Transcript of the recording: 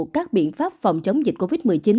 các biện pháp phòng chống dịch covid một mươi chín